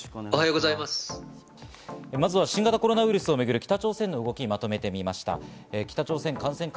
まずは新型コロナウイルスをめぐる北朝鮮の動きをまとめました。